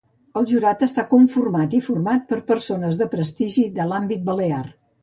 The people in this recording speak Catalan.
El jurat està conformat format per persones de prestigi de l'àmbit balear.